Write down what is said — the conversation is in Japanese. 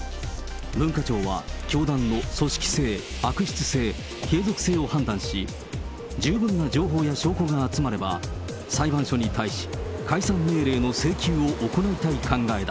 文化庁は教団の組織性、悪質性、継続性を判断し、十分な情報や証拠が集まれば、裁判所に対し、解散命令の請求を行いたい考えだ。